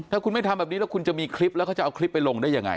ถ้าคุณไม่ทำแบบนี้แล้วคุณจะมีคลิปแล้วเขาจะเอาคลิปไปลงได้ยังไง